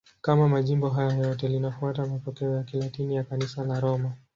Kama majimbo hayo yote, linafuata mapokeo ya Kilatini ya Kanisa la Roma.